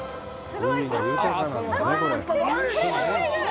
すごい！